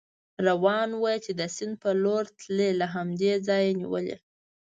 روان و، چې د سیند په لور تلی، له همدې ځایه نېولې.